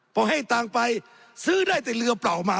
พอให้ตังค์ไปซื้อได้แต่เรือเปล่ามา